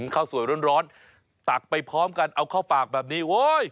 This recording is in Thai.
ข้าวสวยร้อนตักไปพร้อมกันเอาเข้าปากแบบนี้โอ้ย